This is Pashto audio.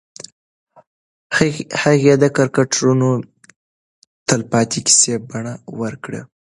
هغې کرکټرونه د تلپاتې کیسې بڼه ورکړه.